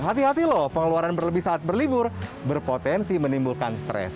hati hati loh pengeluaran berlebih saat berlibur berpotensi menimbulkan stres